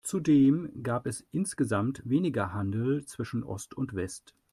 Zudem gab es insgesamt weniger Handel zwischen Ost und West.